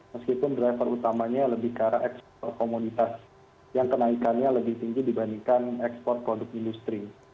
meskipun driver utamanya lebih ke arah ekspor komoditas yang kenaikannya lebih tinggi dibandingkan ekspor produk industri